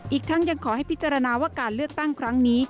อีกทั้งยังขอให้พิจารณาว่าการเลือกตั้งครั้งนี้